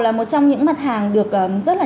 là một trong những mặt hàng được rất là